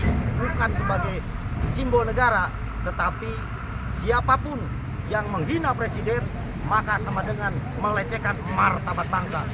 bukan sebagai simbol negara tetapi siapapun yang menghina presiden maka sama dengan melecehkan martabat bangsa